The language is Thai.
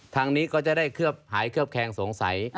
ทางนี้ก็จะได้เคลือบหายเคลือบแคงสงสัย